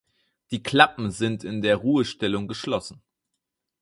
Die Klappen sind in der Ruhestellung geschlossen.